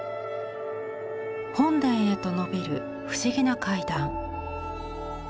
本殿へとのびる不思議な階段。